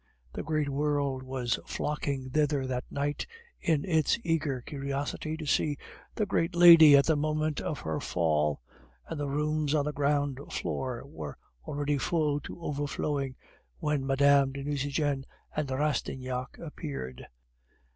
The great world was flocking thither that night in its eager curiosity to see the great lady at the moment of her fall, and the rooms on the ground floor were already full to overflowing, when Mme. de Nucingen and Rastignac appeared.